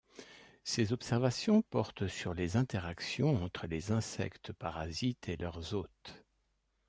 Ses observations portent sur les interactions entre les insectes parasites et leurs hôtes.